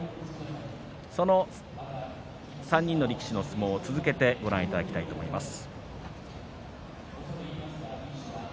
その３人の力士の相撲を続けてご覧いただきたいと思います。